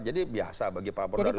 jadi biasa bagi pak prabowo dulu semangat